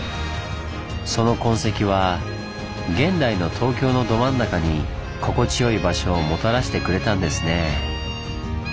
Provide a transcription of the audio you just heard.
その痕跡は現代の東京のど真ん中に心地よい場所をもたらしてくれたんですねぇ。